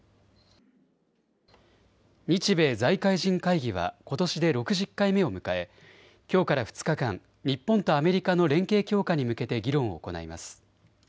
日米財界人会議はことしで６０回目を迎えきょうから２日間、日本とアメリカの連携強化に向けて議論を行います。